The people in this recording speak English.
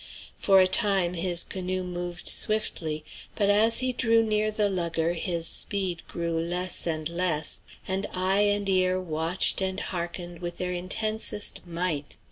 For a time his canoe moved swiftly; but as he drew near the lugger his speed grew less and less, and eye and ear watched and hearkened with their intensest might.